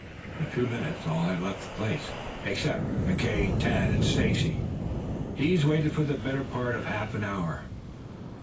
In a few minutes all had left the place, except McKay, Tad and Stacy. These waited for the better part of half an hour.